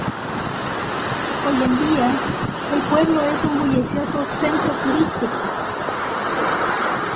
Hoy en día, el pueblo es un bullicioso centro turístico.